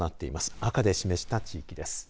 赤で示した地域です。